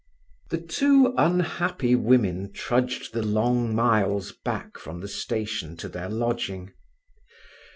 The two unhappy women trudged the long miles back from the station to their lodging.